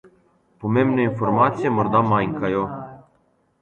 Pomembne informacije morda manjkajo.